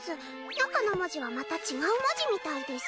中の文字はまた違う文字みたいです。